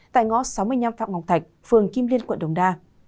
tại ngõ sáu mươi năm phạm ngọc thạch phường kim liên quận đồng đa